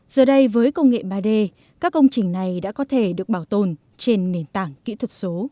giờ đây với công nghệ ba d các công trình này đã có thể được bảo tồn trên nền tảng kỹ thuật số